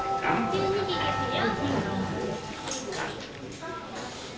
１２時ですよ。